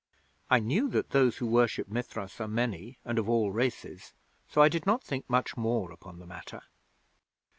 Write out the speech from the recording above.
I knew that those who worship Mithras are many and of all races, so I did not think much more upon the matter.